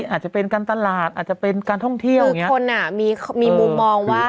อาจจะเป็นการตลาดอาจจะเป็นการท่องเที่ยวคือคนอ่ะมีมีมุมมองว่า